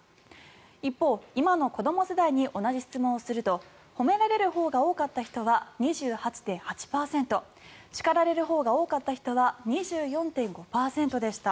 一方、今の子ども世代に同じ質問をすると褒められるほうが多かった人は２８．８％叱られるほうが多かった人は２４．５％でした。